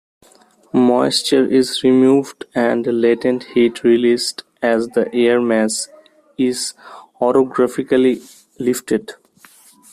Moisture is removed and latent heat released as the air mass is orographically lifted.